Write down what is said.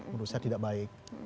menurut saya tidak baik